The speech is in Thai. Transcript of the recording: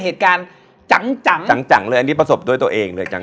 เหตุการณ์จังจังเลยอันนี้ประสบด้วยตัวเองเลยจัง